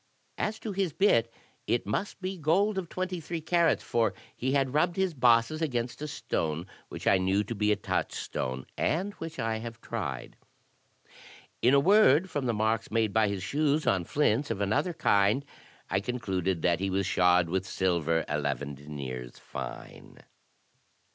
As to his bit, it must be gold of twenty three carats, for he had rubbed his bosses against a stone which I knew to be a touchstone, and which I have tried. In a word, from the marks made by his shoes on flints of another kind, I concluded that he was shod with silver eleven deniers fine."